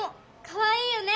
かわいいよね！